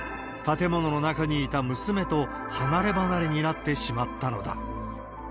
建物の中にいた娘と離れ離れになってしまったのだ。